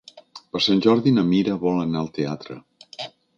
Per Sant Jordi na Mira vol anar al teatre.